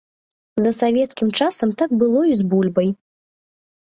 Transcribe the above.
За савецкім часам так было і з бульбай.